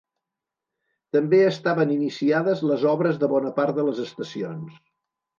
També estaven iniciades les obres de bona part de les estacions.